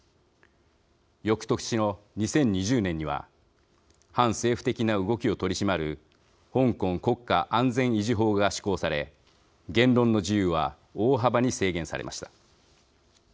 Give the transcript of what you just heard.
よくとしの２０２０年には反政府的な動きを取り締まる香港国家安全維持法が施行され言論の自由は大幅に制限されました。